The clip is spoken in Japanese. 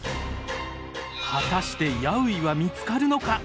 果たしてヤウイは見つかるのか？